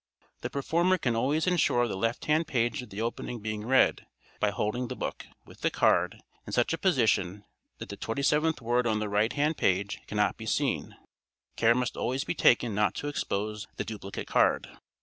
The performer can always ensure the left hand page of the opening being read, by holding the book, with the card, in such a position that the twenty seventh word on the right hand page cannot be seen. Care must also be taken not to expose the duplicate card.